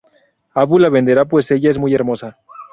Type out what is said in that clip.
Abu la venderá pues ella es muy hermosa.